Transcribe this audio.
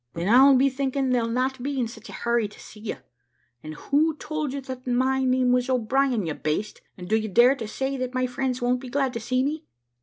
Then I'll be thinking they'll not be in such a hurry to see you.' `And who told you that my name was O'Brien, you baste? and do you dare to say that my friends won't be glad to see me?'